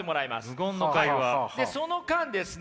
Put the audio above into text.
その間ですね